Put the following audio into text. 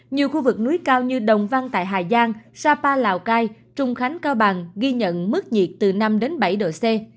nhiều khu vực núi cao như đồng văn tại hà giang sapa lào cai trung khánh cao bằng ghi nhận mức nhiệt từ năm bảy độ c